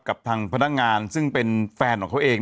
กับทางพนักงานเป็นแฟนออกอาจารย์เอง